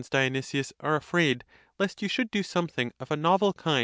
5390 Dionysius, are afraid lest you should do something of a novel kind!